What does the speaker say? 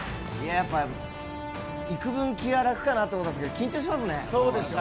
やっぱいくぶん、気が楽かなと思ったんですけど、緊張しますね。